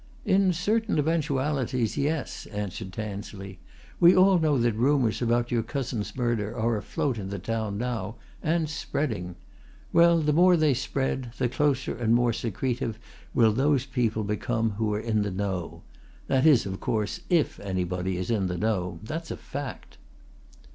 "In certain eventualities, yes," answered Tansley. "We all know that rumours about your cousin's murder are afloat in the town now and spreading. Well, the more they spread, the closer and more secretive will those people become who are in the know; that is, of course, if anybody is in the know. That's a fact!"